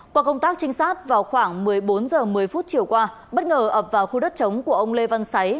qua công tác trinh sát vào khoảng một mươi bốn h một mươi chiều qua bất ngờ ập vào khu đất chống của ông lê văn xáy